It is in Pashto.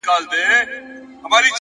موږ د خپل انسانيت حيصه ورکړې _